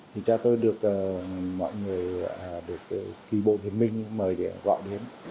thì cha tôi được mọi người được kỳ bộ việt minh mời để gọi đến